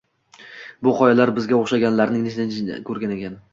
Bu qoyalar bizga o‘xshaganlarning necha-nechasini ko‘rdi ekan?